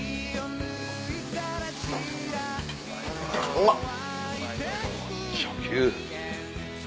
うまっ！